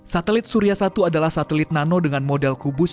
satelit surya satu adalah satelit nano dengan model kubus